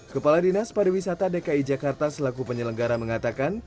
kepala dinas pariwisata dki jakarta selaku penyelenggara mengatakan